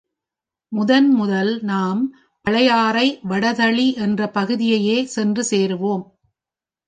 முதன் முதல் நாம் பழையாறை வடதளி என்ற பகுதியையே சென்று சேருவோம்.